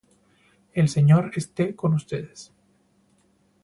El Señor esté con ustedes.